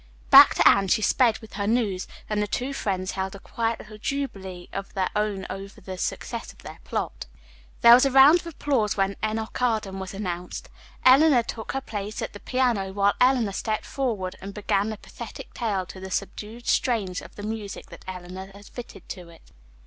Back to Anne she sped with her news, and the two friends held a quiet little jubilee of their own over the success of their plot. There was a round of applause when "Enoch Arden" was announced. Eleanor took her place at the piano while Anne stepped forward and began the pathetic tale to the subdued strains of the music that Eleanor had fitted to it.